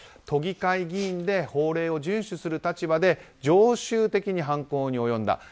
都議会議員で法令を順守する立場で常習的に犯行に及んだ。